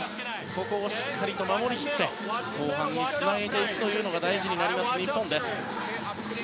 ここをしっかり守り切って後半につなげていくのが大事になります、日本です。